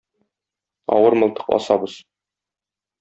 Авыр мылтык асабыз.